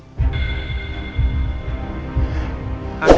di kamar tamunya riki